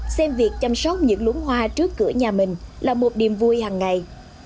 xem việc chăm sóc những lũ hoa trước cửa nhà mình là một điểm vui hằng ngày